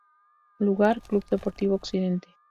Lugar: Club Deportivo Occidente.